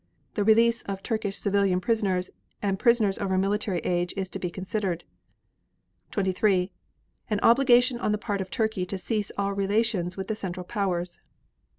The release of Turkish civilian prisoners and prisoners over military age is to be considered. 23. An obligation on the part of Turkey to cease all relations with the Central Powers.